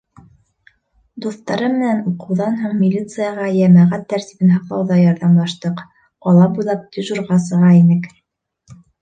Дуҫтарым менән уҡыуҙан һуң милицияға йәмәғәт тәртибен һаҡлауҙа ярҙамлаштыҡ: ҡала буйлап дежурға сыға инек.